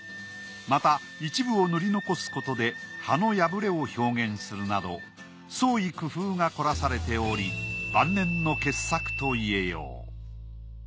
また一部を塗り残すことで葉の破れを表現するなど創意工夫が凝らされており晩年の傑作といえよう。